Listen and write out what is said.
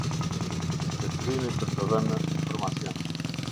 Detyrimi për të dhënë informacion.